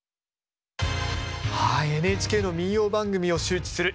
ＮＨＫの民謡番組を周知する１分